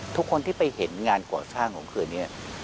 ทุกคนที่ไปเห็นงานก่อสร้างของคืนนี้